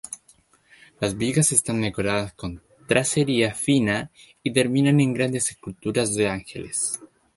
Las vigas están decoradas con tracería fina y terminan en grandes esculturas de ángeles.